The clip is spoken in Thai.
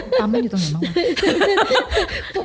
ปั๊มแม่อยู่ตรงไหนบ้างวะ